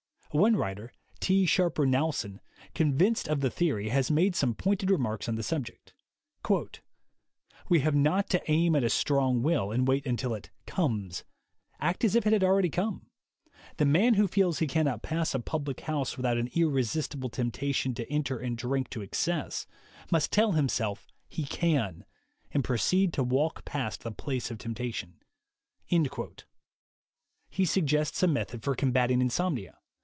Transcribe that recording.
One writer, T. Sharper Knowlson, convinced of the theory, has made some pointed remarks on the subject: "We have not to aim at a strong will, and wait until it 'comes.' Act as if it had already come ... The man who feels he cannot pass a public house with out an irresistible temptation to enter and drink to excess, must tell himself he can, and proceed to walk past the place of temptation." He suggests a method for combatting insomnia.